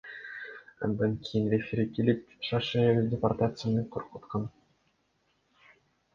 Андан кийин рефери келип, Шаршеевди депортация менен коркуткан.